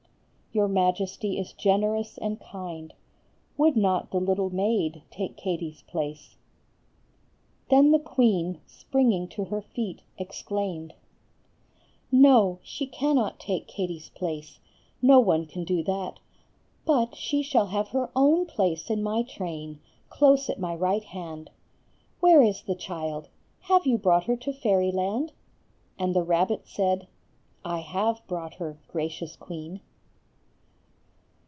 "Your Majesty is generous and kind; would not the little maid take Katie's place?" Then the queen, springing to her feet, exclaimed:— "No, she cannot take Katie's place; no one can do that; but she shall have her own place in my train, close at my right hand. Where is the child; have you brought her to Fairyland?" And the rabbit said, "I have brought her, gracious queen."